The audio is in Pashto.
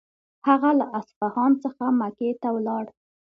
هغه له اصفهان څخه مکې ته ولاړ.